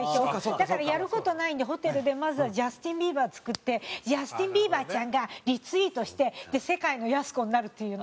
だからやる事ないんでホテルでまずはジャスティン・ビーバー作ってジャスティン・ビーバーちゃんがリツイートしてで世界の靖子になるっていう。